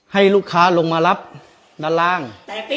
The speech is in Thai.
ให้ลูกค้าลงมารับด้านล่าง